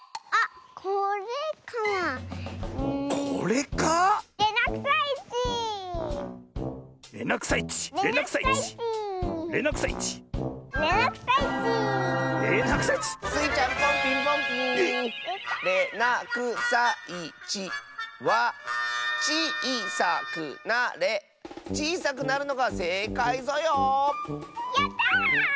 やった！